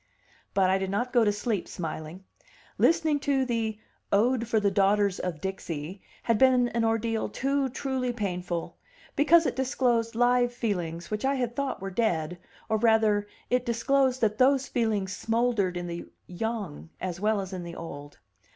But I did not go to sleep smiling; listening to the "Ode for the Daughters of Dixie" had been an ordeal too truly painful, because it disclosed live feelings which I had thought were dead, or rather, it disclosed that those feelings smouldered in the young as well as in the old.